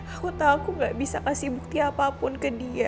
aku tahu aku gak bisa kasih bukti apapun ke dia